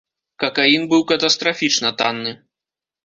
Какаін быў катастрафічна танны.